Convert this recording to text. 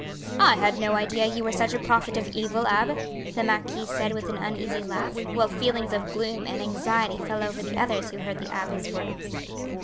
"I had no idea you were such a prophet of evil, abbe," the marquis said with an uneasy laugh, while feelings of gloom and anxiety fell over the others who heard the abbe's words.